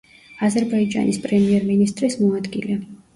აზერბაიჯანის პრემიერ-მინისტრის მოადგილე.